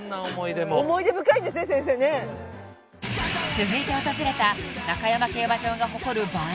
［続いて訪れた中山競馬場が誇る映え